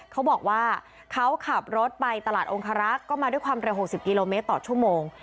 เขาบอกว่าเขาขับรถไปตลาดองคารักษ์ก็มาด้วยความเร็ว๖๐กิโลเมตรต่อชั่วโมง